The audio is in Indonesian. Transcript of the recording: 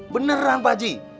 beneran pak haji